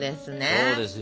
そうですよ。